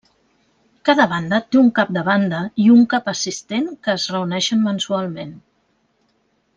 Cada banda té un cap de banda i un cap assistent que es reuneixen mensualment.